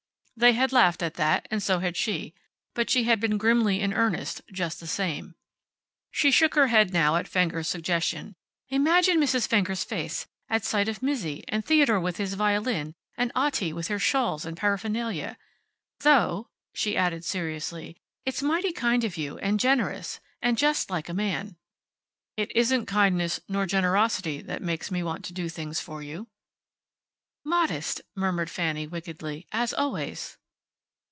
They had laughed at that, and so had she, but she had been grimly in earnest just the same. She shook her head now at Fenger's suggestion. "Imagine Mrs. Fenger's face at sight of Mizzi, and Theodore with his violin, and Otti with her shawls and paraphernalia. Though," she added, seriously, "it's mighty kind of you, and generous and just like a man." "It isn't kindness nor generosity that makes me want to do things for you." "Modest," murmured Fanny, wickedly, "as always."